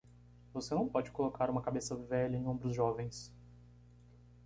Você não pode colocar uma cabeça velha em ombros jovens.